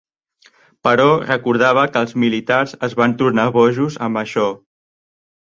Però recordava que els militars es van tornar bojos amb això.